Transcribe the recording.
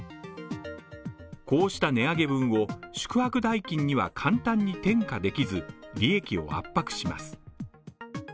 こうした値上げ分を、宿泊代金には簡単に転嫁できず、利益を圧迫します。